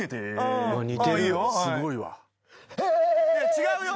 違うよ。